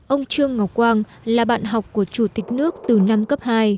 ông trương ngọc quang là bạn học của chủ tịch nước từ năm cấp hai